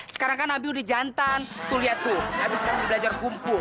sekarang kan abi udah jantan tuh liat tuh abis kan belajar kumpul